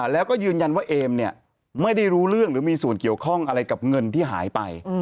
แล้วก็ยืนยันว่าเอมไม่ได้รู้เรื่องหรือมีส่วนเกี่ยวข้องอะไรกับเงินที่หายไป